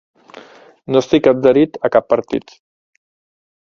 No estic adherit a cap partit.